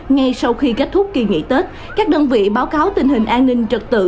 ngay sau khi kết thúc kỳ nghỉ tết các đơn vị báo cáo tình hình an ninh trật tự